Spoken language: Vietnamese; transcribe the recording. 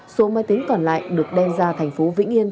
số máy tính còn lại được đem ra thành phố vĩnh yên